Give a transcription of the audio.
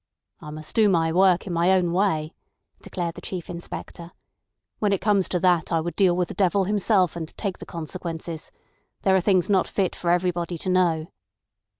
"I must do my work in my own way," declared the Chief Inspector. "When it comes to that I would deal with the devil himself, and take the consequences. There are things not fit for everybody to know."